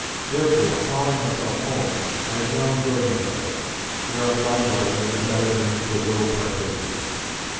Therefore, calling myself home, I have now enjoyed myself; whereof likewise I desire to make the world partaker."